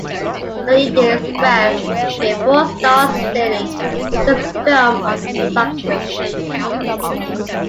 "The Indian Express" gave four stars stating, "It's a film of substance.